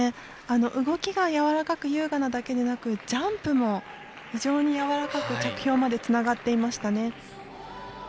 動きがやわらかく優雅なだけでなくジャンプも非常にやわらかく着氷までつながっていましたね。